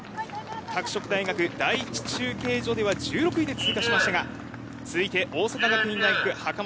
拓殖大学、第１中継所では１６位で通過しましたが続いて、大阪学院大学、袴田。